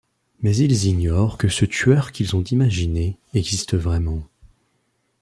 Mais ils ignorent que ce tueur qu'ils ont imaginé existe vraiment.